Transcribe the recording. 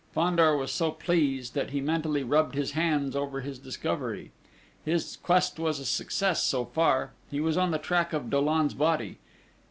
Fandor was so pleased that he mentally rubbed his hands over this discovery. His quest was a success so far: he was on the track of Dollon's body!